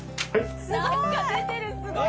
何か出てるすごい！